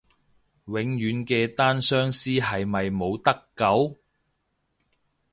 永遠嘅單相思係咪冇得救？